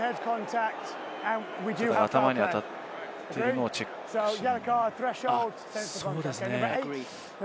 頭に当たってるのをチェックしてる？